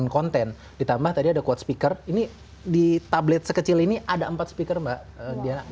konten ditambah tadi ada quad speaker ini di tablet sekecil ini ada empat speaker mbak diana